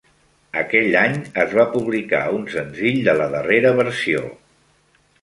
Aquell any es va publicar un senzill de la darrera versió.